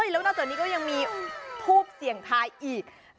แล้วนอกจากนี้ก็ยังมีทูปเสี่ยงทายอีก